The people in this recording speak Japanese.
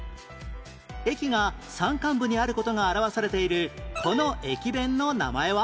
駅が山間部にある事が表されているこの駅弁の名前は？